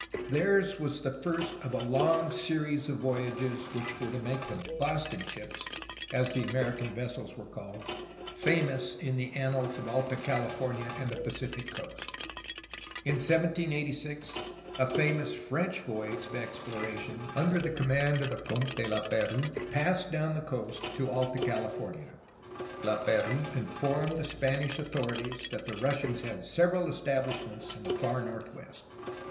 Theirs was the first of a long series of voyages which were to make the '^Boston ships,'' as the American vessels were called, ifamous in the annals of Alta California and the Pacific coast. In 1786 a famous French voyage of explora tion, under the command of the Comte de Laperouse, passed down the coast to Alta California. Laperouse informed the Spanish authorities that the Russians had several estabhsh ments in the far northwest.